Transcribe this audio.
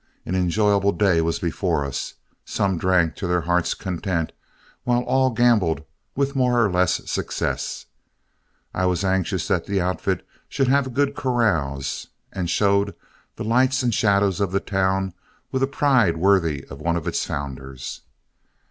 An enjoyable day was before us; some drank to their hearts' content, while all gambled with more or less success. I was anxious that the outfit should have a good carouse, and showed the lights and shadows of the town with a pride worthy of one of its founders.